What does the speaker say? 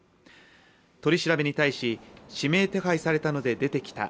取り調べに対し指名手配されたので出てきた。